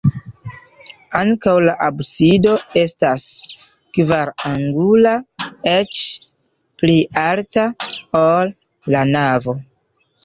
Ankaŭ la absido estas kvarangula, eĉ pli alta, ol la navo.